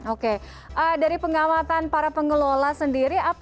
oke dari pengamatan para pengelola sendiri